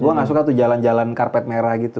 gue gak suka tuh jalan jalan karpet merah gitu